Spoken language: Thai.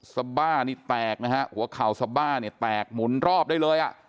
สบ้านี่แตกนะฮะหัวเข่าสบ้าเนี่ยแตกหมุนรอบได้เลยอ่ะ